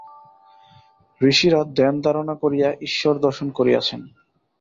ঋষিরা ধ্যান-ধারণা করিয়া ঈশ্বর দর্শন করিয়াছেন।